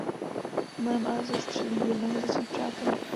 Omylem ale zastřelí jednoho ze svých přátel.